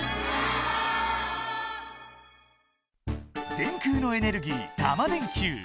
電空のエネルギータマ電Ｑ。